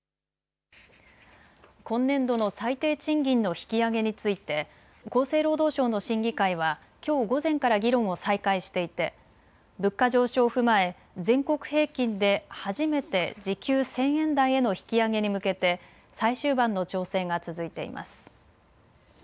今年度の最低賃金の引き上げについて厚生労働省の審議会はきょう午前から議論を再開していて物価上昇を踏まえ全国平均で初めて時給１０００円台への引き上げに向けて最終盤の調整が続いています。